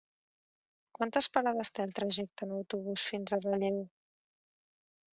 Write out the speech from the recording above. Quantes parades té el trajecte en autobús fins a Relleu?